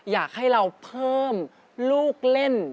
อยากให้เราเพิ่มลูกเล่น